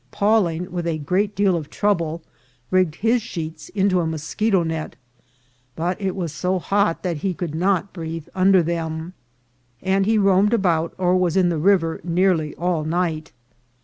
Pawling, with a great deal of trouble, rigged his sheets into a moscheto net, but it was so hot that he could not breathe under them, and he roamed about or was in the river nearly all night.